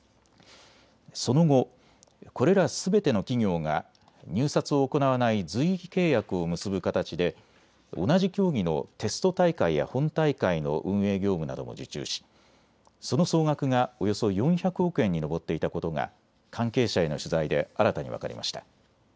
その後、これらすべての企業が入札を行わない随意契約を結ぶかたちで同じ競技のテスト大会や本大会の運営業務なども受注しその総額がおよそ４００億円に上っていたことが関係者への取材で新たに分かりました。